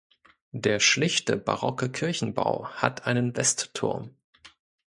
Der schlichte barocke Kirchenbau hat einen Westturm.